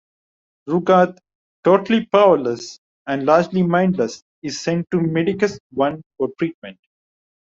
Rugarth, totally powerless, and largely mindless, is sent to Medicus One for treatment.